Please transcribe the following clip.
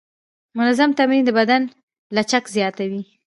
منظم تمرین د بدن لچک زیاتوي.